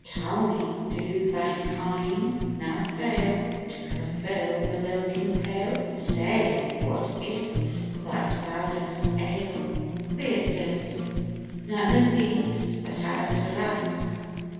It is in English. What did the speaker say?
Tell me, do thy kine now fail To fulfil the milking pail? Say, what is't that thou dost ail? THYR. None of these; but out, alas!